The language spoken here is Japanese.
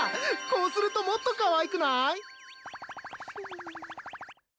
こうするともっとかわいくない？